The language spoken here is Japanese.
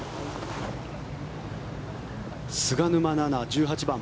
菅沼菜々、１８番。